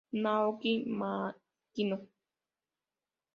Naoki Makino